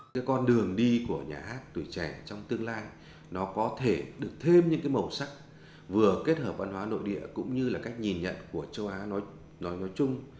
cái con đường đi của nhà hát tuổi trẻ trong tương lai nó có thể được thêm những cái màu sắc vừa kết hợp văn hóa nội địa cũng như là cách nhìn nhận của châu á nói nói chung